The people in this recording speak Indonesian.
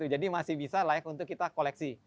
jadi masih bisa layak untuk kita koleksi